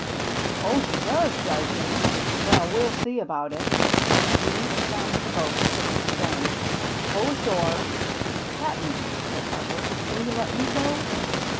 " Oh, she does, does she ! Well, we'll see about it." He leaped down to the boat and took the stern. " Pull ashore." "Cap'n," said Harper, "will you let me go?"